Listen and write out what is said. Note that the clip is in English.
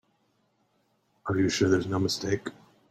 Are you sure there's no mistake?